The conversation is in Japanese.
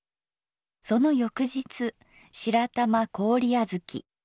その翌日「白玉氷あづき」。